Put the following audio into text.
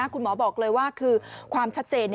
คุณหมอบอกเลยว่าคือความชัดเจน